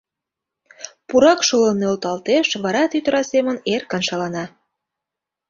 Пурак шолын нӧлталтеш, вара тӱтыра семын эркын шалана.